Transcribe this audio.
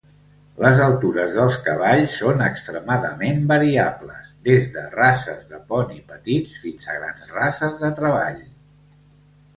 Les altures dels cavalls són extremadament variables, des de races de poni petits fins a grans races de treball.